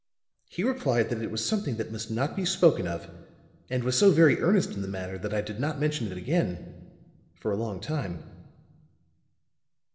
He replied that it was something that must not be spoken of, and was so very earnest in the matter that I did not mention it again for a long time.